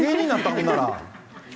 ほんなら。